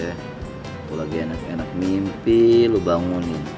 aku lagi enak enak mimpi lu bangunin